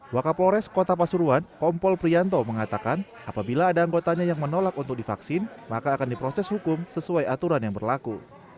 wakapolres kota pasuruan kompol prianto mengatakan apabila ada anggotanya yang menolak untuk divaksin maka akan diproses hukum sesuai aturan yang berlaku